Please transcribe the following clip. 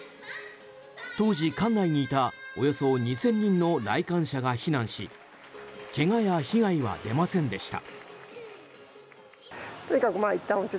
当時館内にいたおよそ２０００人の来館者が避難しけがや被害は出ませんでした。